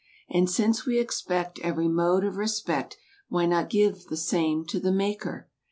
And since we expect every mode of respect— Why not give the same to the Maker!